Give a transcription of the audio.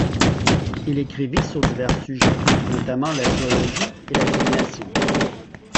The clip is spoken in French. Il écrivit sur divers sujets, notamment la zoologie et la divination.